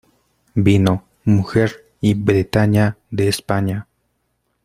vino, mujer y Bretaña , de España.